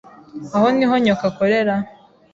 Aha niho nyoko akorera?